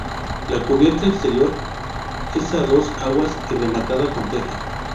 La cubierta exterior es a dos aguas y rematada con teja.